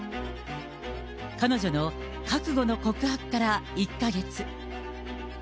彼女の覚悟の告白から１か月。